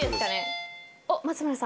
おっ松村さん。